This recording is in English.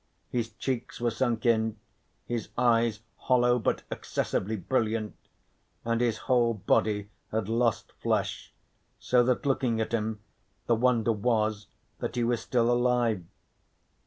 His cheeks were sunk in, his eyes hollow but excessively brilliant, and his whole body had lost flesh, so that looking at him the wonder was that he was still alive.